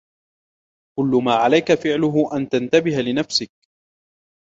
كل ما عليك فعله أن تنتبه لنفسك.